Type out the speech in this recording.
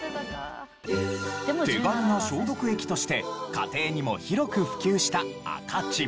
手軽な消毒液として家庭にも広く普及した赤チン。